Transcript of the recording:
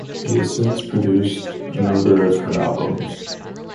He has since produced a number of her albums.